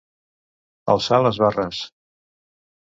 Alçar les barres.